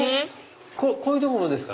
こういうとこもですか？